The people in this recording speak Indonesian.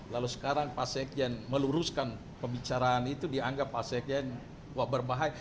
lalu sekarang pak sekjian meluruskan pembicaraan itu dianggap pak sekjian berbahaya